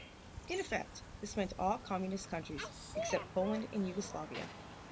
In effect, this meant all communist countries, except Poland and Yugoslavia.